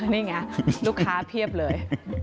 นี่ไงลูกค้าเพียบเลย